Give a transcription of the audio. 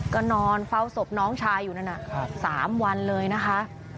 ก็นอนเฝ้าศพน้องชายอยู่นั่น๓วันเลยนะคะ